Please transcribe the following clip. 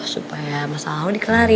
supaya masalah lo dikelarin